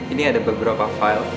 ini ada beberapa file